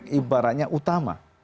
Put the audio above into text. tidak hanya utama